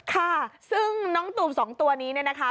ค่ะซึ่งน้องตูมสองตัวนี้เนี่ยนะคะ